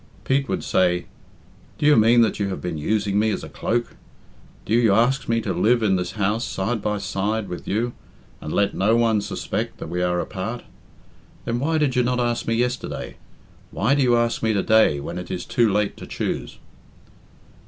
Pete would say, "Do you mean that you have been using me as a cloak? Do you ask me to live in this house, side by side with you, and let no one suspect that we are apart? Then why did you not ask me yesterday? Why do you ask me to day, when it is too late to choose?"